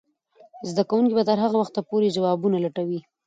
زده کوونکې به تر هغه وخته پورې ځوابونه لټوي.